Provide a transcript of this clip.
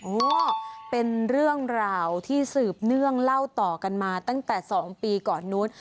โอ้โหเป็นเรื่องราวที่สืบเนื่องเล่าต่อกันมาตั้งแต่๒ปีก่อนนู้น